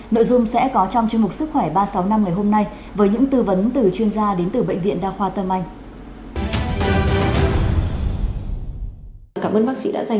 nội dung sẽ có trong chương mục sức khỏe ba trăm sáu mươi năm ngày hôm nay với những tư vấn từ chuyên gia đến từ bệnh viện đa khoa tâm anh